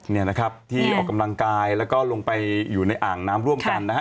เนี่ยนะครับที่ออกกำลังกายแล้วก็ลงไปอยู่ในอ่างน้ำร่วมกันนะฮะ